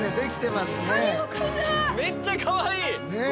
めっちゃかわいい！